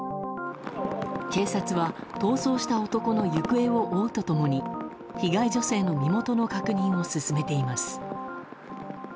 警察は逃走した男の行方を追うと共に被害女性の身元の確認を進めています。